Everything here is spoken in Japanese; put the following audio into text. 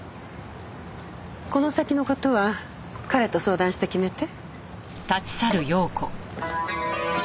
この先の事は彼と相談して決めて。